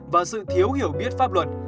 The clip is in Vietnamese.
và sự thiếu hiểu biết pháp luật